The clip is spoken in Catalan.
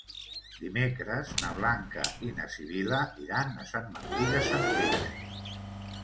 Dimecres na Blanca i na Sibil·la iran a Sant Martí de Centelles.